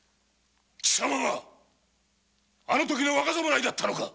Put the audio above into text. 貴様があの時の若侍だったのか？